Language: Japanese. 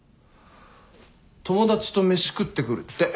友達と飯食ってくるって。